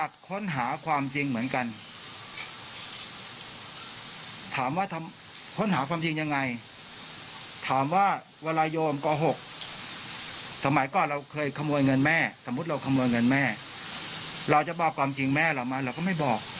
ฟังเสียงท่านอีกรอบหนึ่งค่ะ